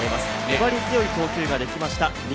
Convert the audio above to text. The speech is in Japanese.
粘り強い投球ができました。